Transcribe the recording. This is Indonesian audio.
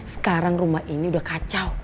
sekarang rumah ini udah kacau